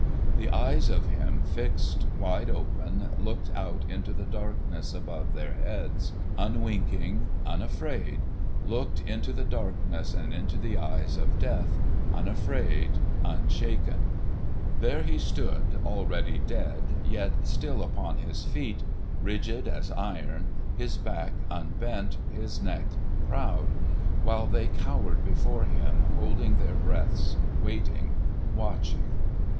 The eyes of him fixed, wide open, looked out into the darkness above their heads, unwinking, unafraid—looked into the darkness and into the eyes of Death, unafraid, unshaken. There he stood already dead, yet still upon his feet, rigid as iron, his back unbent, his neck proud; while they cowered before him holding their breaths waiting, watching.